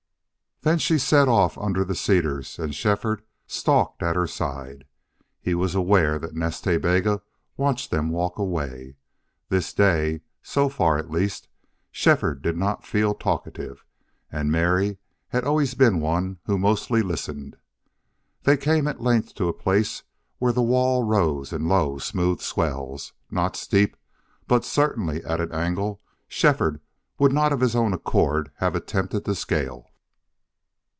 Then she set off under the cedars and Shefford stalked at her side. He was aware that Nas Ta Bega watched them walk away. This day, so far, at least, Shefford did not feel talkative; and Mary had always been one who mostly listened. They came at length to a place where the wall rose in low, smooth swells, not steep, but certainly at an angle Shefford would not of his own accord have attempted to scale.